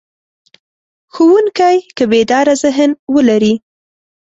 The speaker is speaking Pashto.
ښوونکی که بیداره ذهن ولري.